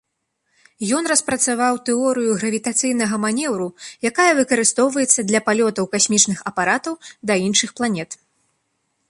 Ён распрацаваў тэорыю гравітацыйнага манеўру, якая выкарыстоўваецца для палётаў касмічных апаратаў да іншых планет.